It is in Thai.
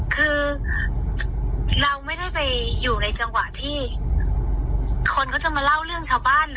คือเราไม่ได้ไปอยู่ในจังหวะที่คนเขาจะมาเล่าเรื่องชาวบ้าน